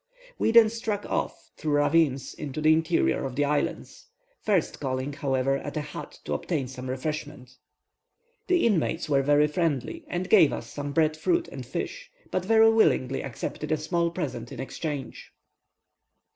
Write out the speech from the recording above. We then struck off, through ravines, into the interior of the island, first calling, however, at a hut to obtain some refreshment. The inmates were very friendly, and gave us some bread fruit and fish, but very willingly accepted a small present in exchange.